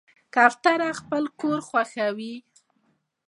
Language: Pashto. کوتره خپل کور خوښوي.